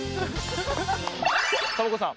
サボ子さん